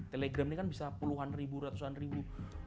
telegram ini kan bisa puluhan ribu ratusan ribu